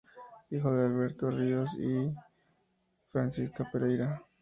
Hijo de Alberto Rivas y Francisca Pereira.